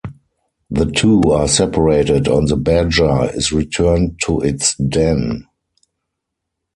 The two are separated and the badger is returned to its den.